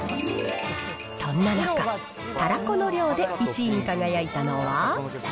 そんな中、たらこの量で１位に輝いたのは。